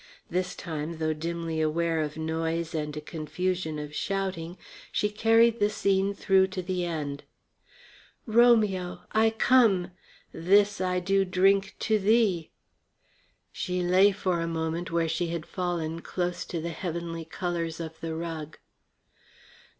This time, though dimly aware of noise and a confusion of shouting, she carried the scene through to the end. "Romeo, I come! This do I drink to thee." She lay for a moment where she had fallen close to the heavenly colours of the rug.